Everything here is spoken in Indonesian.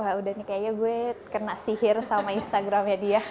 wah udah nih kayaknya gue kena sihir sama instagramnya dia